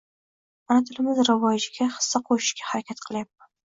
Ona tilimiz rivojiga hissa qoʻshishga harakat qilyapman